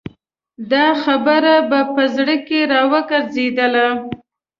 دا خبره په زړه کې را وګرځېدله.